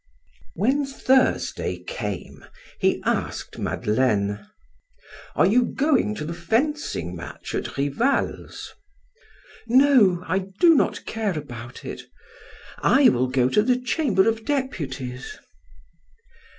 When Thursday came, he asked Madeleine: "Are going to the fencing match at Rival's?" "No, I do not care about it. I will go to the chamber of deputies."